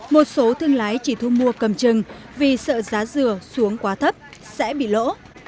một số thương lái chỉ thu mua cầm chừng vì sợ giá dừa xuống quá thấp sẽ bị lỗ